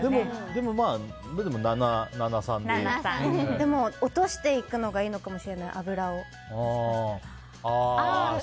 でも、脂を落としていくのがいいのかもしれない。